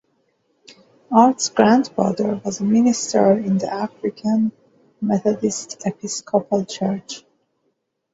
Art's grandfather was a minister in the African Methodist Episcopal Church.